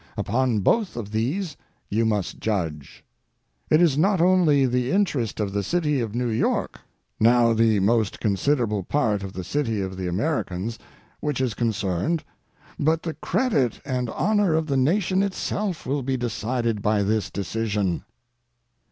Upon both of these you must judge. "It is not only the interest of the city of New York, now the most considerable part of the city of the Americans, which is concerned, but the credit and honor of the nation itself will be decided by this decision."